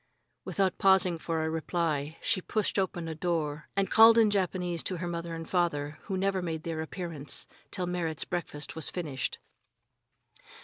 Without pausing for a reply, she pushed open a door and called in Japanese to her father and mother, who never made their appearance till Merrit's breakfast was finished.